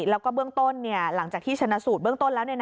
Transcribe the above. แล้วก็เบื้องต้นหลังจากที่ชนะสูตรเบื้องต้นแล้ว